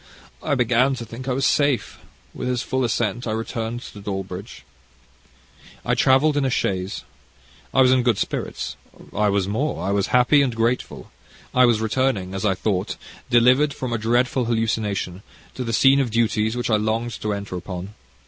I began to think I was safe. With his full assent I returned to Dawlbridge. "I travelled in a chaise. I was in good spirits. I was more I was happy and grateful. I was returning, as I thought, delivered from a dreadful hallucination, to the scene of duties which I longed to enter upon.